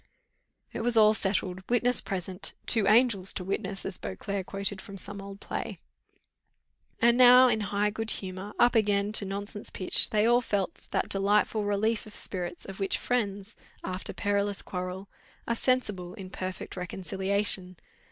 It was all settled, witness present "two angels to witness," as Beauclerc quoted from some old play. And now in high good humour, up again to nonsense pitch, they all felt that delightful relief of spirits, of which friends, after perilous quarrel, are sensible in perfect reconciliation.